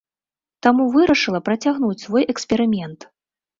Таму вырашыла працягнуць свой эксперымент.